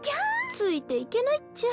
ついていけないっちゃ